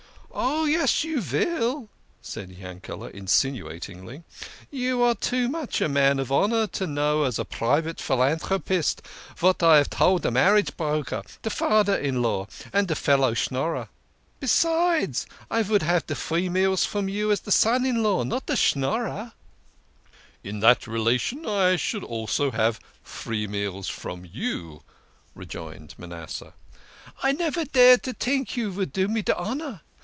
" Oh, yes, you vill," said Yankele" insinu atingly. " You are too much a man of honour to know as a private philantropist vat I have told de marriage broker, de fader in law and de fellow Schnorrer. Be sides, I vould have de free meals from you as de son in law, not de Schnorrer" " In that relation I should also have free meals from you," rejoined Manasseh. " I never dared to tink you vould do me de honour.